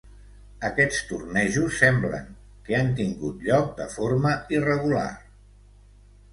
Aquests tornejos semblen que han tingut lloc de forma irregular.